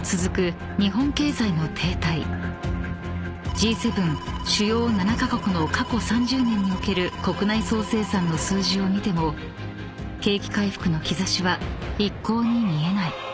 ［Ｇ７主要７カ国の過去３０年における国内総生産の数字を見ても景気回復の兆しは一向に見えない］